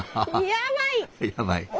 やばい。